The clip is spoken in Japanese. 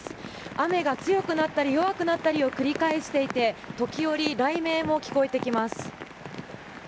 雨が強くなったり弱くなったりを繰り返していて時折、雷鳴も聞こえてきます。